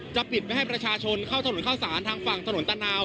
ปิดไม่ให้ประชาชนเข้าถนนเข้าสารทางฝั่งถนนตะนาว